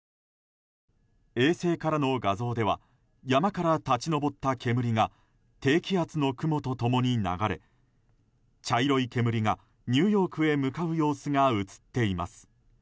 衛星からの画像では山から立ち上がった煙が低気圧の雲と共に流れ茶色い煙がニューヨークへ向かう様子が映っています。